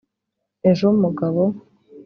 Ejo mugabo